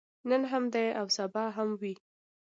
نن هم دی او سبا به هم وي.